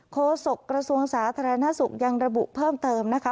โฆษกระทรวงสาธารณสุขยังระบุเพิ่มเติมนะคะ